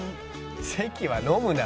「関は飲むな」